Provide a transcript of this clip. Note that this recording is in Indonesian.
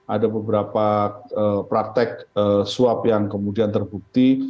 ada beberapa praktek suap yang kemudian terbukti